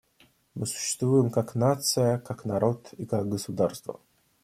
Мы существуем как нация, как народ и как государство.